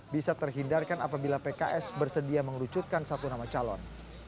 bisa terhindarkan apabila pks bersedia mengerucutkan satu nama calon